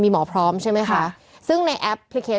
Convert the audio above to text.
เพื่อไม่ให้เชื้อมันกระจายหรือว่าขยายตัวเพิ่มมากขึ้น